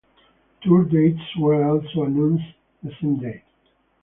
Tour dates were also announced the same day.